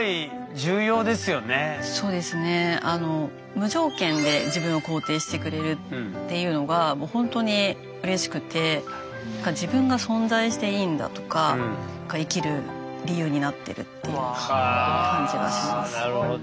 無条件で自分を肯定してくれるっていうのがほんとにうれしくて自分が存在していいんだとか生きる理由になってるっていう感じはします。